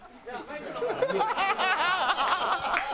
ハハハハ！